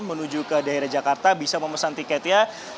menuju ke daerah jakarta bisa memesan tiketnya